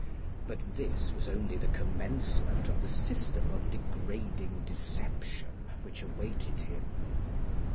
But this was only the commencement of the system of degrading deception which awaited him.